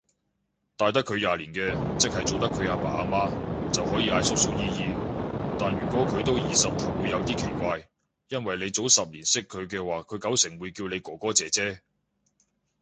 大得佢廿年嘅，即係做得佢阿爸阿媽，就可以嗌叔叔姨姨，但如果佢都二十頭會有啲奇怪，因為你早十年識佢嘅話佢九成會叫你哥哥姐姐